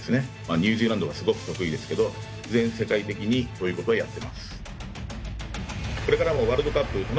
ニュージーランドがすごく得意ですけど、全世界的にそういうことをやっています。